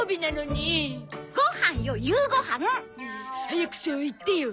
早くそう言ってよ。